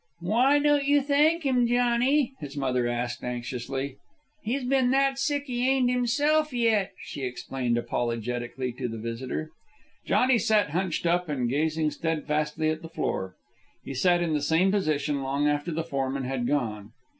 "Why don't you thank 'im, Johnny?" his mother asked anxiously. "He's ben that sick he ain't himself yet," she explained apologetically to the visitor. Johnny sat hunched up and gazing steadfastly at the floor. He sat in the same position long after the foreman had gone.